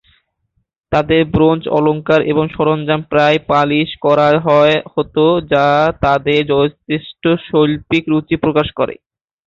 তাদের ব্রোঞ্জ অলঙ্কার এবং সরঞ্জাম প্রায়ই পালিশ করা হত যা তাদের যথেষ্ট শৈল্পিক রুচি প্রকাশ করে।